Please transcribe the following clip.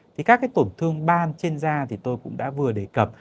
thì các cái tổn thương ban trên da thì tôi cũng đã vừa đề cập